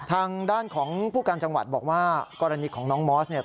ทางด้านของผู้การจังหวัดบอกว่ากรณีของน้องมอสเนี่ย